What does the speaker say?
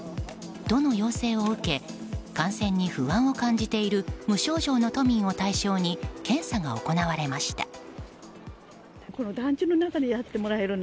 都の要請を受け感染に不安を感じている無症状の都民を対象に検査が行われました。